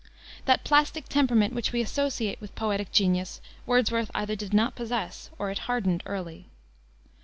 That plastic temperament which we associate with poetic genius Wordsworth either did not possess, or it hardened early.